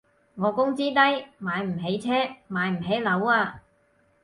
我工資低，買唔起車買唔起樓啊